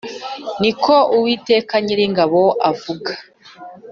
ni ko Uwiteka Nyiringabo avuga